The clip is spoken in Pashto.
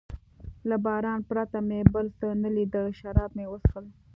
له باران پرته مې بل څه نه لیدل، شراب مې و څښل.